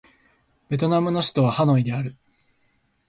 ベトナムの首都はハノイである